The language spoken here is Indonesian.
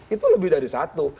itu lebih dari satu